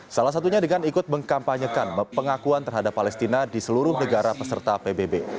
salah satunya dengan ikut mengkampanyekan pengakuan terhadap palestina di seluruh negara peserta pbb